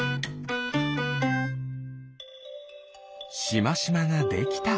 しましまができた。